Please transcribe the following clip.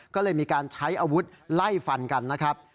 ก็เลยมีการใช้อาวุธไล่ฟันกันนะครับ